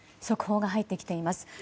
速報が入ってきています。